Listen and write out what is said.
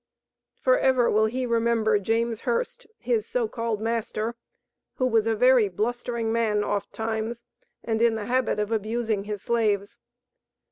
Forever will he remember James Hurst, his so called master, who was a very blustering man oft times, and in the habit of abusing his slaves.